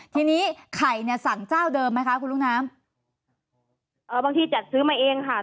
ทีนี้ไข่เนี่ยสั่งเจ้าเดิมไหมคะคุณลุงน้ำเอ่อบางทีจัดซื้อมาเองค่ะ